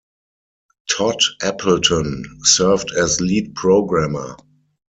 Todd Appleton served as lead programmer.